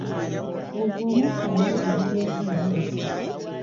Ogwo omutto ani aguyiyeeko amazzi?